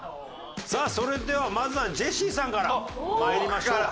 さあそれではまずはジェシーさんから参りましょうか。